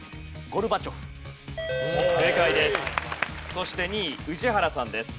そして２位宇治原さんです。